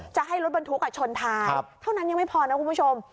จะให้รถบรรทุกชนท้ายเท่านั้นยังไม่พอนะคุณผู้ชม